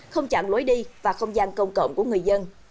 không chặn lối đi và không gian công cộng của người dân